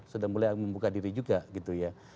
sudah mulai membuka diri juga gitu ya